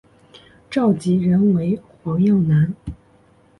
召集人为黄耀南。